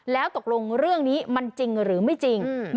แล้วตกลงเรื่องนี้มันจริงหรือไม่จริง